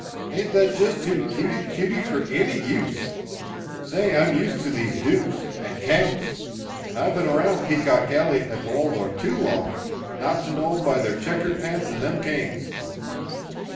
Ain't that just too cutey cutey for any use? Say, I'm used to these dooks and counts I've been around Peacock Alley at the Waldorf too long not to know 'em by their checkered pants and them canes!